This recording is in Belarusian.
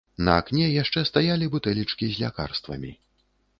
На акне яшчэ стаялі бутэлечкі з лякарствамі.